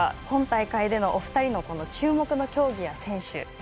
今大会でのお二人の注目の競技や選手